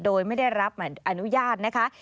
โดยไม่ได้รับอนุญาตนะคะ